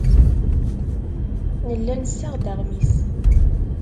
Nella nessaɣ-d aɣmis.